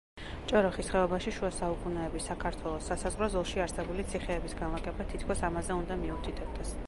ჭოროხის ხეობაში, შუა საუკუნეების საქართველოს სასაზღვრო ზოლში არსებული ციხეების განლაგება თითქოს ამაზე უნდა მიუთითებდეს.